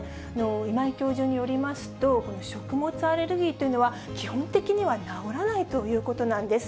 今井教授によりますと、食物アレルギーというのは、基本的には治らないということなんです。